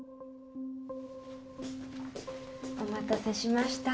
お待たせしました。